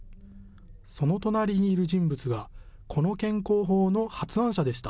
その隣にいる人物がこの健康法の発案者でした。